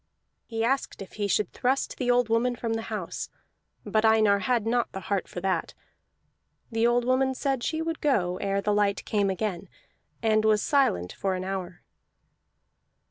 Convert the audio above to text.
He asked if he should thrust the woman from the house, but Einar had not the heart for that. The old woman said she would go ere the light came again, and was silent for an hour.